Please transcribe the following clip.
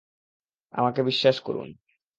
আমাকে বিশ্বাস করুন।